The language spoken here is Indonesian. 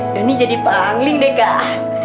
ini jadi pangling deh kak